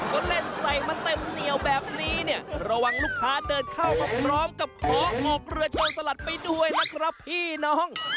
ก็เล่นใส่มาเต็มเหนียวแบบนี้เนี่ยระวังลูกค้าเดินเข้ามาพร้อมกับของออกเรือโจรสลัดไปด้วยนะครับพี่น้อง